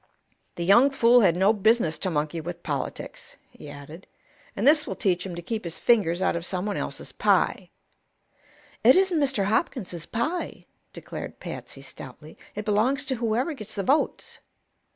"The young fool had no business to monkey with politics," he added, "and this will teach him to keep his fingers out of someone else's pie." "It isn't Mr. Hopkins's pie," declared Patsy, stoutly. "It belongs to whoever gets the votes."